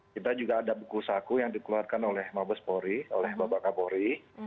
kita juga ada buku saku yang dikeluarkan oleh mabes pori oleh mbak baka pori